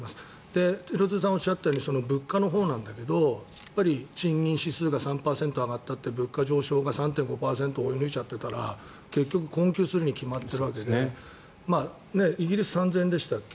で、廣津留さんがおっしゃったように物価のほうなんだけど賃金指数が３％上がったって物価上昇が３．５％追い抜いちゃってたら結局、困窮するに決まっているわけでイギリスは３０００円でしたっけ？